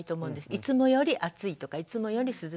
いつもより暑いとかいつもより涼しいとかね。